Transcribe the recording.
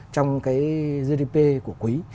trong cái gdp của quý